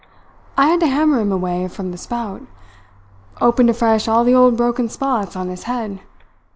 "I had to hammer him away from the spout. Opened afresh all the old broken spots on his head.